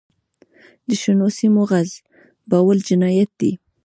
د شنو سیمو غصبول جنایت دی.